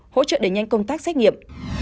hỗ trợ để nhanh công tác xét nghiệm